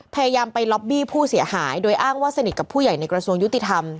พยายามไปล็อบบี้ผู้เสียหายโดยอ้างว่าสนิทกับผู้ใหญ่ในกระทรวงยุติธรรม